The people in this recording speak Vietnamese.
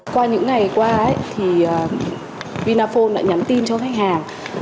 qua những ngày qua thì vinaphone đã nhắn tin cho khách hàng